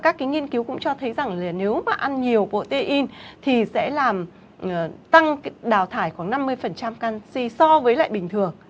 các cái nghiên cứu cũng cho thấy rằng là nếu mà ăn nhiều protein thì sẽ làm tăng đào thải khoảng năm mươi canx so với lại bình thường